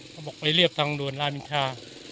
เขาบอกไปเรียกสังดวนราวิชา